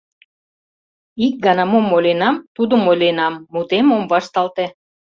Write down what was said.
Ик гана мом ойленам, тудым ойленам, мутем ом вашталте.